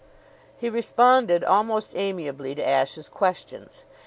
He responded almost amiably to Ashe's questions.